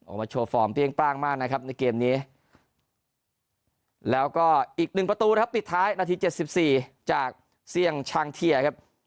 โชว์ฟอร์มเปรี้ยงปร่างมากนะครับในเกมนี้แล้วก็อีก๑ประตูนะครับปิดท้ายนาที๗๔จากเสี่ยงชางเทียครับ